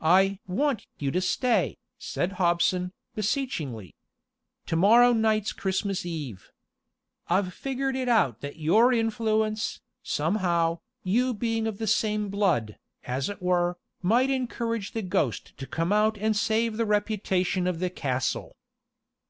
"I want you to stay," said Hobson, beseechingly. "To morrow night's Christmas Eve. I've figured it out that your influence, somehow, you being of the same blood, as it were, might encourage the ghost to come out and save the reputation of the castle."